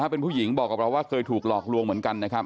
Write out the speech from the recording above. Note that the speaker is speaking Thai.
เป็นผู้หญิงบอกกับเราว่าเคยถูกหลอกลวงเหมือนกันนะครับ